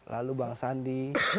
lalu bang sandi